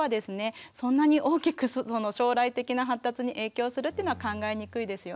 そんなに大きく将来的な発達に影響するっていうのは考えにくいですよね。